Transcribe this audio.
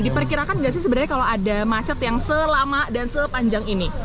diperkirakan nggak sih sebenarnya kalau ada macet yang selama dan sepanjang ini